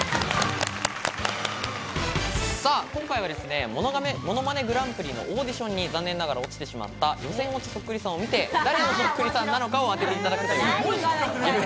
今回は『ものまねグランプリ』のオーディションに残念ながら落ちてしまった予選落ちそっくりさんを見て、誰のそっくりさんなのかを当てていただくということです。